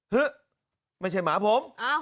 ไม่ใช่หมาผม